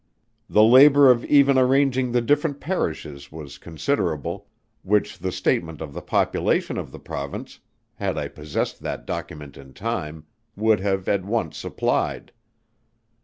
The labour of even arranging the different Parishes was considerable, which the statement of the population of the Province, (had I possessed that document in time,) would have at once supplied.